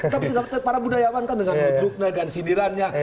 tapi juga percaya para budayawan kan dengan grupnya dan sindirannya